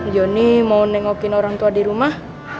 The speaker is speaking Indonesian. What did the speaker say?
joni mau nengokin orang tua di rumah